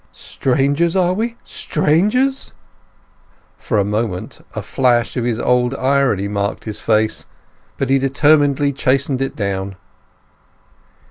"Strangers—are we? Strangers!" For a moment a flash of his old irony marked his face; but he determinedly chastened it down.